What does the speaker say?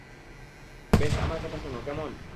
বেশ, আমার কথা শোনো, কেমন?